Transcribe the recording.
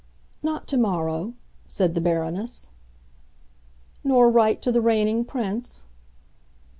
"Not tomorrow," said the Baroness. "Nor write to the Reigning Prince?"